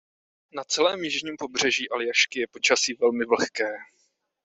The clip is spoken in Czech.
Na celém jižním pobřeží Aljašky je počasí velmi vlhké.